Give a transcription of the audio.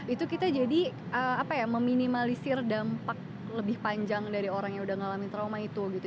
itu kita jadi apa ya meminimalisir dampak lelah trauma itu seperti ini gitu